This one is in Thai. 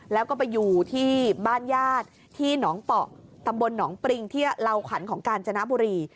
แล้วก็ไปอยู่ที่บ้านญาติที่หนองเปาะตำบลหนองปริงที่เหล่าขวัญของกาญจนบุรี